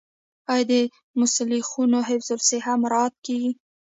آیا د مسلخونو حفظ الصحه مراعات کیږي؟